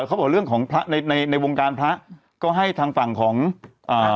เขาบอกเรื่องของพระในในในวงการพระก็ให้ทางฝั่งของอ่า